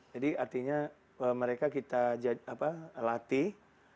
jadi artinya mereka kita latih